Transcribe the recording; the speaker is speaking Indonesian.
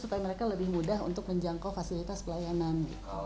supaya mereka lebih mudah untuk menjangkau fasilitas pelayanan